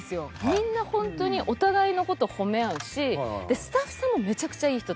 みんな本当にお互いの事褒め合うしスタッフさんもめちゃくちゃいい人たちなんですよ。